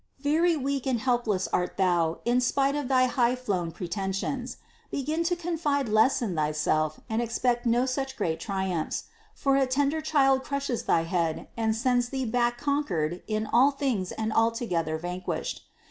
Very weak and helpless art thou in spite of thy high flown pretentious; begin to confide less in thyself and expect no such great triumphs; for a tender Child crushes thy head and sends thee back conquered in all things and altogether vanquished.